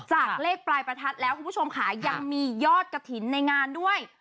เลขปลายประทัดแล้วคุณผู้ชมค่ะยังมียอดกระถิ่นในงานด้วย